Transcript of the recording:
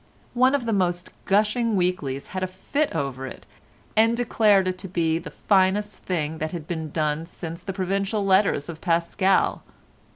One of the most gushing weeklies had a fit over it, and declared it to be the finest thing that had been done since the "Provincial Letters" of Pascal.